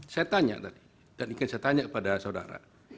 saya tanya tadi dan ingin saya tanya kepada saudara